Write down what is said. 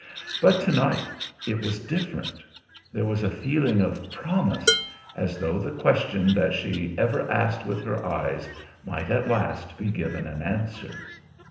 But to night it was different; there was a feeling of promise, as though the question that she ever asked with her eyes might at last be given an answer.